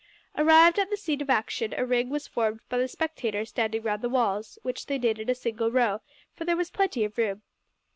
Arrived at the scene of action, a ring was formed by the spectators standing round the walls, which they did in a single row, for there was plenty of room.